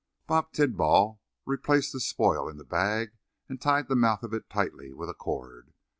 Bob Tidball replaced the spoil in the bag and tied the mouth of it tightly with a cord.